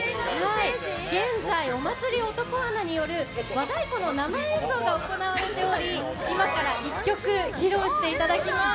現在、オマツリ男アナによる和太鼓の生演奏が行われており今から１曲披露していただきます。